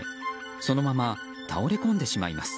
そのまま倒れ込んでしまいます。